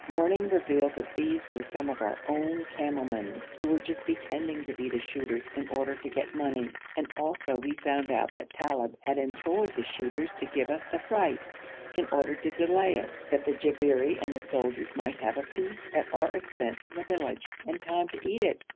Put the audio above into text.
Morning revealed that these were some of our own camel men, who were just pretending to be the shooters in order to get money, and also we found out that Talib had employed the shooters to give us the fright, in order to delay us, that the Jabberi and the soldiers might have a feast at our expense in the village, and time to eat it.